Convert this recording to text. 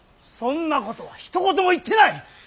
そんなことはひと言も言ってない！